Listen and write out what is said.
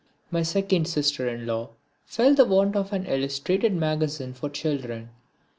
My second sister in law felt the want of an illustrated magazine for children.